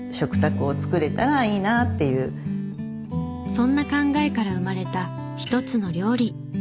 そんな考えから生まれた一つの料理。